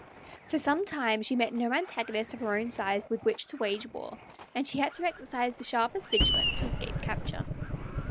For some time she met no antagonist of her own size with which to wage war, and she had to exercise the sharpest vigilance to escape capture.